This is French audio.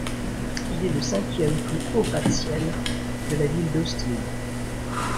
Il est le cinquième plus haut gratte-ciel de la ville d'Austin.